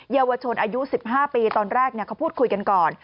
เยาวชนอายุ๑๕ปีตอนแรกเขาพูดคุยกันก่อน